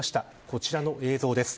こちらの映像です。